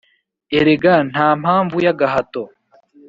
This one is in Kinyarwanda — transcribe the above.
Erega ntampamvu y’agahato.